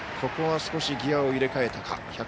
ここは少しギヤを入れ替えたか。